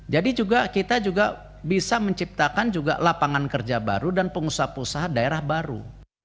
jadi kita juga bisa menciptakan lapangan kerja baru dan pengusaha pengusaha daerah baru